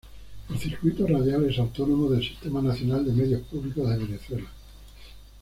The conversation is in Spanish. El circuito radial es autónomo del Sistema Nacional de Medios Públicos de Venezuela.